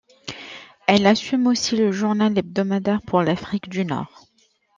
Elle assume aussi le journal hebdomadaire pour l'Afrique du Nord.